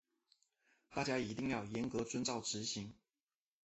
大家一定要严格遵照执行